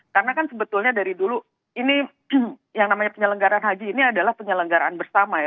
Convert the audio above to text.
karena kan sebetulnya dari dulu ini yang namanya penyelenggaran haji ini adalah penyelenggaran bersama ya